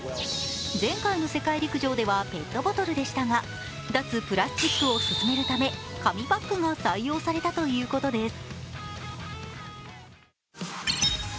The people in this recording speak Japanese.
前回の世界陸上ではペットボトルでしたが脱プラスチックを進めるため紙パックが採用されたということです。